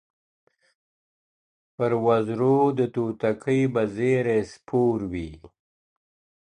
پر وزر د توتکۍ به زېری سپور وي.